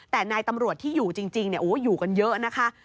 แต่นายตำรวจที่อยู่จริงอยู่กันเยอะนะคะ